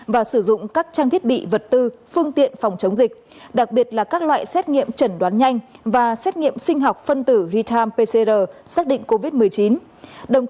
và sử dụng các trang thiết bị vật tư phương tiện phòng chống dịch đặc biệt là các loại xét nghiệm chẩn đoán nhanh và xét nghiệm sinh học phân tử real time pcr xác định covid một mươi chín